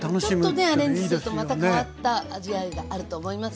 ちょっとねアレンジするとまた変わった味わいがあると思います。